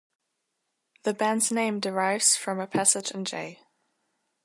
The band's name derives from a passage in J.